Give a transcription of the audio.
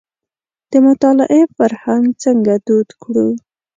د مطالعې فرهنګ څنګه دود کړو.